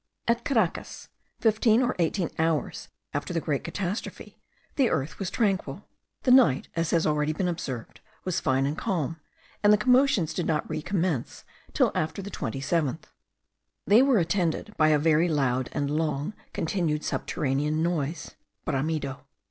At Caracas, fifteen or eighteen hours after the great catastrophe, the earth was tranquil. The night, as has already been observed, was fine and calm; and the commotions did not recommence till after the 27th. They were then attended by a very loud and long continued subterranean noise (bramido).